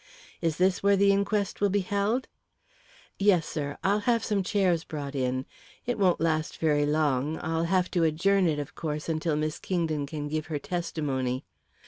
"Is this where the inquest will be held?" "Yes, sir; I'll have some chairs brought in. It won't last very long. I'll have to adjourn it, of course, until Miss Kingdon can give her testimony."